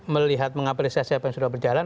melihat mengapresiasi apa yang sudah berjalan